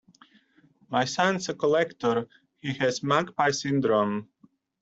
My son's a collector: he has magpie syndrome.